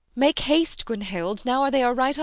] Make haste, Gunhild! Now they are right under us!